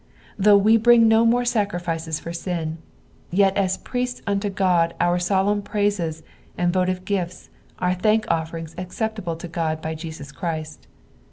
Though we brin^ no more sacrifices for sin, yet as priests unto God our solemn praises and votive gifts are thank offerings acceptable la God by Jesus Christ.